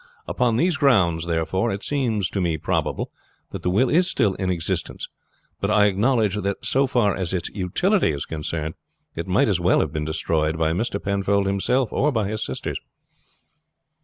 Upon these grounds, therefore, it seems to me probable that the will is still in existence; but I acknowledge that so far as its utility is concerned it might as well have been destroyed by Mr. Penfold himself or by his sisters."